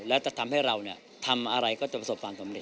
แล้วจะทำให้เราทำอะไรก็จะประสบความสำเร็